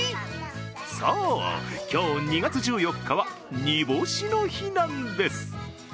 そう、今日２月１４日は煮干しの日なんです。